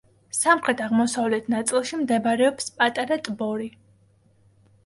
სამხრეთ-აღმოსავლეთ ნაწილში მდებარეობს პატარა ტბორი.